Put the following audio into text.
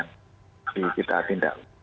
jadi kita tindak